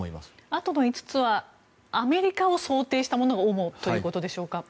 あとの５つはアメリカを想定したものでしょうか。